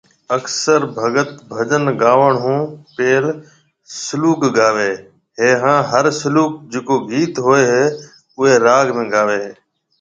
اڪثر ڀگت ڀجن گاوڻ هون پيل سلوڪ گاوي هي هان هر سلوڪ جڪو گيت هوئي هي اوئي راگ ۾ گاوي هي